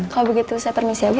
kalau begitu saya permisi ya bu